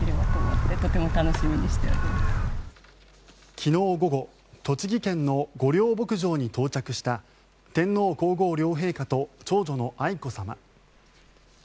昨日午後栃木県の御料牧場に到着した天皇・皇后両陛下と長女の愛子さま。